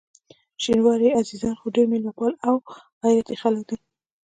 شینواري عزیزان خو ډېر میلمه پال او غیرتي خلک دي.